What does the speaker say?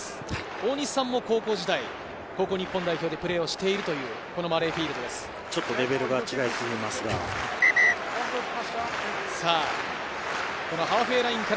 大西さんも高校時代、高校日本代表でプレーをしているというマレーフィールドです。